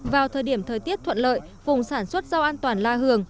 vào thời điểm thời tiết thuận lợi vùng sản xuất rau an toàn la hường